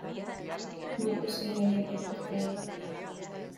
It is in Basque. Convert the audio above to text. Ondoko sei gaiak aipatuko ditut.